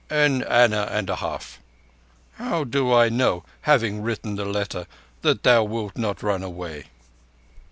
"An anna and a half. How do I know, having written the letter, that thou wilt not run away?"